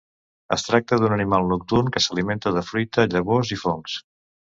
Es tracta d'un animal nocturn que s'alimenta de fruita, llavors i fongs.